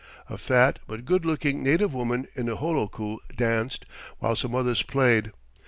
A fat but good looking native woman in a holoku danced, while some others played.